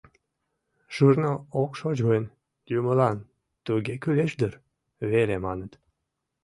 Шурно ок шоч гын, «юмылан туге кӱлеш дыр» веле маныт.